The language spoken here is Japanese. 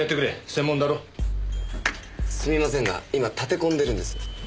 すいませんが今立て込んでるんです。